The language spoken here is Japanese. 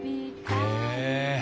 へえ。